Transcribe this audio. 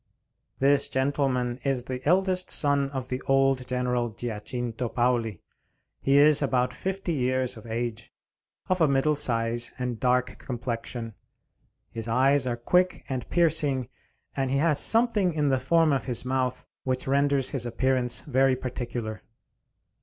This gentleman is the eldest son of the old General Giacinto Paoli. He is about fifty years of age, of a middle size and dark complexion; his eyes are quick and piercing, and he has something in the form of his mouth which renders his appearance very particular.